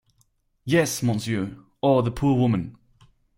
Yes, monsieur — oh, the poor woman!